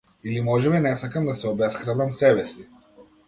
Или можеби не сакам да се обесхрабрам себеси.